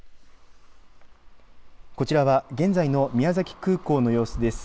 こちらは現在の宮崎空港の様子です。